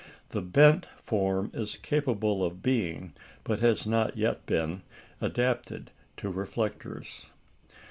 The "bent" form is capable of being, but has not yet been, adapted to reflectors.